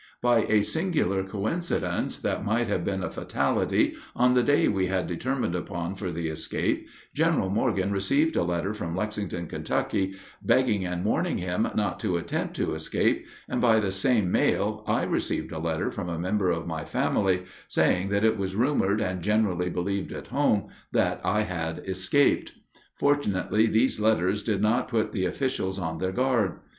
By a singular coincidence that might have been a fatality, on the day we had determined upon for the escape General Morgan received a letter from Lexington, Kentucky, begging and warning him not to attempt to escape, and by the same mail I received a letter from a member of my family saying that it was rumored and generally believed at home that I had escaped. Fortunately these letters did not put the officials on their guard.